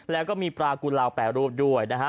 แล้วก็มีปลากุลาวแปรรูปด้วยนะฮะ